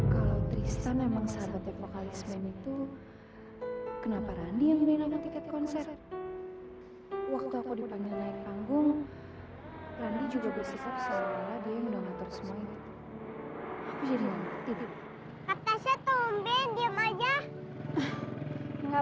kenapa randi yang menang tiket konser waktu aku dipanggil naik tanggung